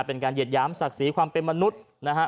เป็นการเหยียดย้ามศักดิ์สีความเป็นมนุษย์นะฮะ